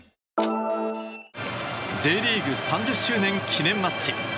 Ｊリーグ３０周年記念マッチ。